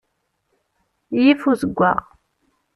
Yif uzeggaɣ.